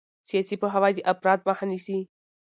سیاسي پوهاوی د افراط مخه نیسي